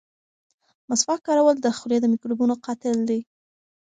مسواک کارول د خولې د میکروبونو قاتل دی.